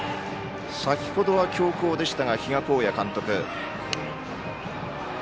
先程は強攻でしたが比嘉公也監督。